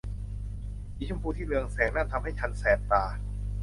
สีชมพูที่เรืองแสงนั่นทำให้ฉันแสบตา